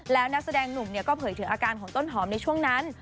แล้วนักแสดงหนุ่มก็เผยถึงอาการของต้นหอมในช่วงนั้น